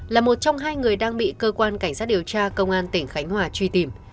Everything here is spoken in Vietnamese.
là một trong hai người đang bị cơ quan cảnh sát điều tra công an tỉnh khánh hòa truy tìm